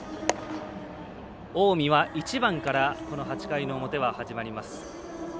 近江は１番からこの８回の表は始まります。